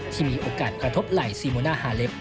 ที่มีโอกาสกระทบไหล่ซีโมน่าฮาเล็บ